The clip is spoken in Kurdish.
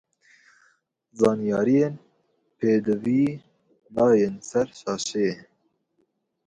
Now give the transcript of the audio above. Zanyarîyên pêdiviyî nayêne ser şaşeyê.